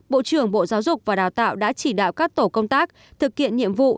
bộ trưởng bộ giáo dục và đào tạo đã chỉ đạo các tổ công tác thực hiện nhiệm vụ